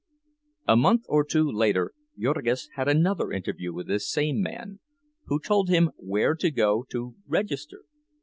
A month or two later Jurgis had another interview with this same man, who told him where to go to "register."